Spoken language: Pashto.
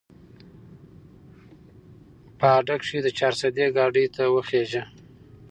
په اډه کښې د چارسدې ګاډي ته وخېژه